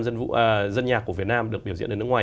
dân nhạc của việt nam được biểu diễn ở nước ngoài